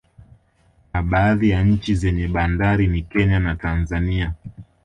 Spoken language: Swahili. Na baadhi ya nchi zenye bandari ni Kenya na Tanzania